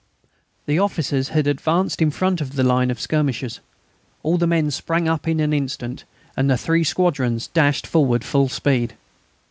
The officers had advanced in front of the line of skirmishers. All the men sprang up in an instant, and the three squadrons dashed forward full speed.